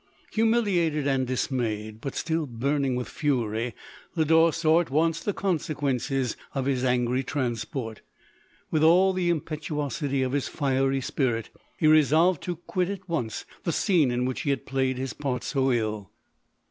Humiliated and dismayed, but still burning with fury, Lodore saw at once the consequences of his angry transport. With all the impetu osity of his fiery spirit, he resolved to quit at once the scene in which he had played his part so ill.